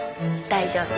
大丈夫。